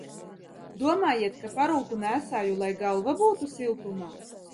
Domājiet, ka parūku nēsāju, lai galva būtu siltumā?